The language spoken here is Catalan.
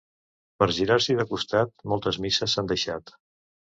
Per girar-s'hi de costat, moltes misses s'han deixat.